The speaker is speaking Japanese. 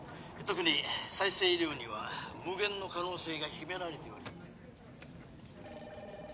特に再生医療には無限の可能性が秘められており。